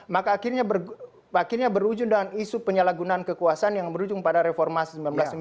maka akhirnya berujung dengan isu penyalahgunaan kekuasaan yang berujung pada reformasi seribu sembilan ratus sembilan puluh lima